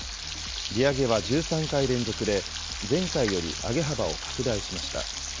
利上げは１３回連続で、前回より上げ幅を拡大しました。